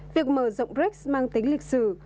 việc mở rộng brics mang tính lịch sử